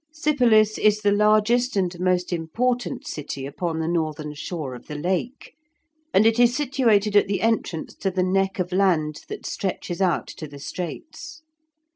Sypolis is the largest and most important city upon the northern shore of the Lake, and it is situated at the entrance to the neck of land that stretches out to the straits.